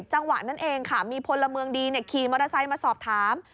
จังหวะนั้นเองค่ะมีพลเมืองดีขี่มอเตอร์ไซค์มาสอบถาม